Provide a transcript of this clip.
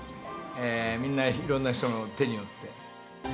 みんないろんな人の手によって。